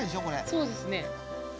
そうですね